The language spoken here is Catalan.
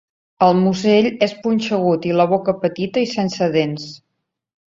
El musell és punxegut i la boca petita i sense dents.